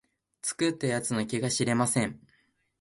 作った奴の気が知れません